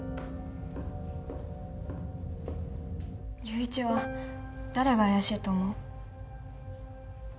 友一は誰が怪しいと思う？